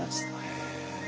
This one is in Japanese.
へえ。